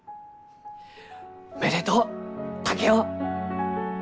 おめでとう竹雄！